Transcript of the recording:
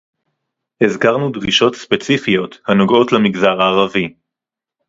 הזכרנו דרישות ספציפיות הנוגעות למגזר הערבי